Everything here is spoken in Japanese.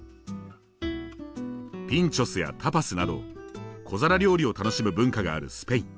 ピンチョスやタパスなど小皿料理を楽しむ文化があるスペイン。